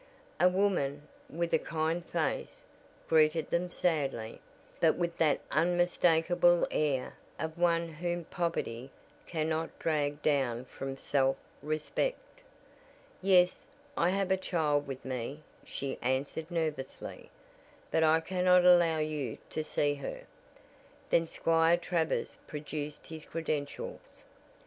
A woman, with a kind face, greeted them sadly, but with that unmistakable air of one whom poverty cannot drag down from self respect. "Yes, I have a child with me," she answered nervously, "but I cannot allow you to see her." Then Squire Travers produced his credentials.